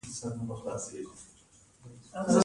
د پښتو ژبي خدمت پر موږ لازم دی.